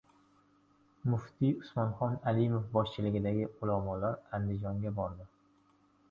Muftiy Usmonxon Alimov boshchiligidagi ulamolar Andijonga bordi